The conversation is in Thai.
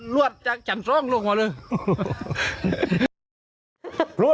รวดลงมาเลย